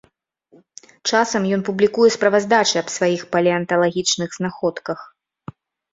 Часам ён публікуе справаздачы аб сваіх палеанталагічных знаходках.